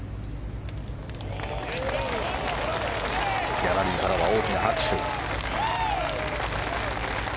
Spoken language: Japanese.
ギャラリーからは大きな拍手。